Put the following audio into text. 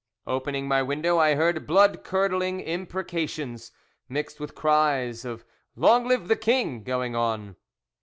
Opening my window, I heard bloodcurdling imprecations, mixed with cries of "Long live the king!" going on.